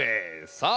さあ